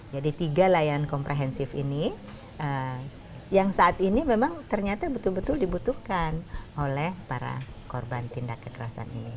jadi tiga layanan komprehensif ini yang saat ini memang ternyata betul betul dibutuhkan oleh para korban tindak kekerasan ini